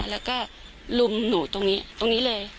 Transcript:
แล้วก็ลุมหนูตรงนี้เลย